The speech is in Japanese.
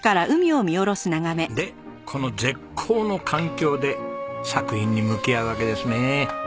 でこの絶好の環境で作品に向き合うわけですね。